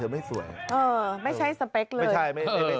จริงจริง